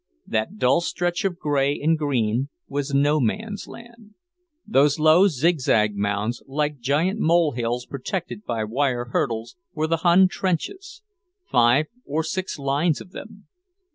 That dull stretch of grey and green was No Man's Land. Those low, zigzag mounds, like giant molehills protected by wire hurdles, were the Hun trenches; five or six lines of them.